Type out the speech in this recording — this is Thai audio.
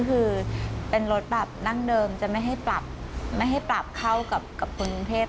คือเป็นรสแบบนั่งเดิมจะไม่ให้ปรับเข้ากับผลเทพฯ